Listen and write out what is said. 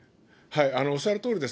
おっしゃるとおりです。